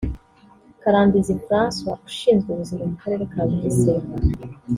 Karambizi Francois ushizwe ubuzima mu karere ka Bugesera